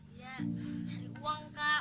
iya cari uang kak